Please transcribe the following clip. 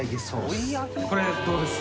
これどうです？